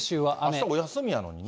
あした、休みやのにね。